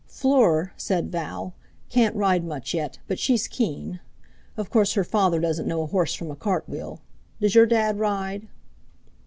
"Fleur," said Val, "can't ride much yet, but she's keen. Of course, her father doesn't know a horse from a cart wheel. Does your Dad ride?"